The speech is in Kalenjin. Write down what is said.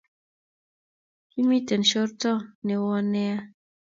kimiten shororto newon nea